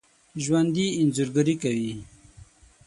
ژوندي انځورګري کوي